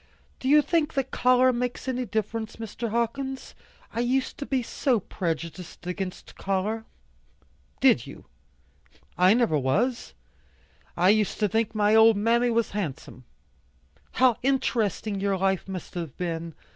Do you think that color makes any difference, Mr. Hawkins? I used to be so prejudiced against color." "Did you? I never was. I used to think my old mammy was handsome." "How interesting your life must have been!